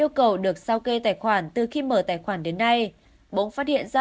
bà lân không được sao kê tài khoản từ khi mở tài khoản đến nay bỗng phát hiện ra